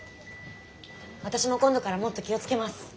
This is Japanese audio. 私も今度からもっと気を付けます。